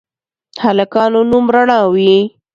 هلکانو نوم رڼا وي